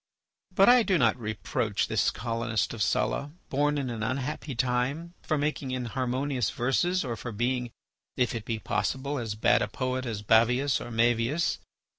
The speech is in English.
"But I do not reproach this colonist of Sulla, born in an unhappy time, for making inharmonious verses or for being, if it be possible, as bad a poet as Bavius or Maevius.